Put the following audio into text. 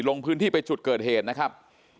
ลงพื้นที่ไปจุดเกิดเหตุนะครับ